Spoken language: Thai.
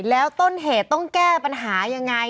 แล้วต้นเหตุต้องแก้ปัญหายังไง